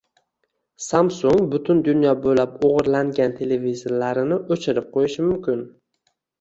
Samsung butun dunyo bo‘ylab o‘g‘irlangan televizorlarini o‘chirib qo‘yishi mumkin